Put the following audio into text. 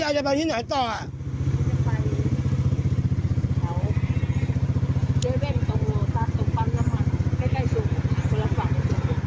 ยายจะไปที่เจเวนตรงโรตัสตรงปันรำอากาศ